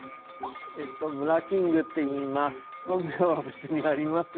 えっとムラキングっていいます。